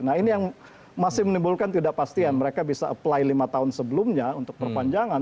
nah ini yang masih menimbulkan ketidakpastian mereka bisa apply lima tahun sebelumnya untuk perpanjangan